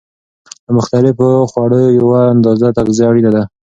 له مختلفو خوړو یوه اندازه تغذیه اړینه ده.